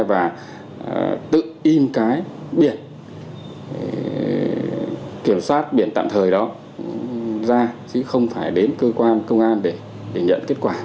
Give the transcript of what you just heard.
và tự in cái biển kiểm soát biển tạm thời đó ra chứ không phải đến cơ quan công an để nhận kết quả